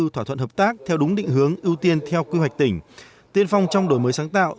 thỏa thuận hợp tác theo đúng định hướng ưu tiên theo quy hoạch tỉnh tiên phong trong đổi mới sáng tạo